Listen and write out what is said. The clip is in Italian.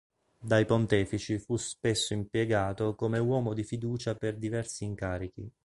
Dai pontefici fu spesso impiegato come uomo di fiducia per diversi incarichi.